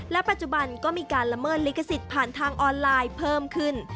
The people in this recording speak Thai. และปัจจุบันก็มีการลำบ้านลิขสิตผ่านทางอนไลน์เพิ่มขึ้น